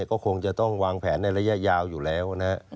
ก็คงจะต้องวางแผนในระยะยาวอยู่แล้วนะฮะ